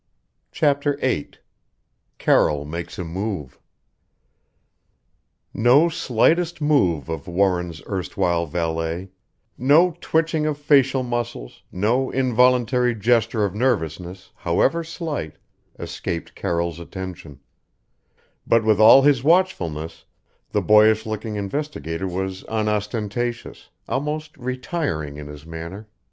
CHAPTER VIII CARROLL MAKES A MOVE No slightest move of Warren's erstwhile valet no twitching of facial muscles, no involuntary gesture of nervousness, however slight escaped Carroll's attention; but with all his watchfulness, the boyish looking investigator was unostentatious, almost retiring in his manner.